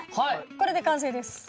これで完成です。